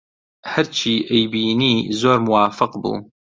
هەرچی ئەیبینی زۆر موافق بوو